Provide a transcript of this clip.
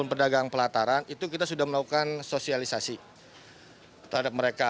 pedagang pelataran itu kita sudah melakukan sosialisasi terhadap mereka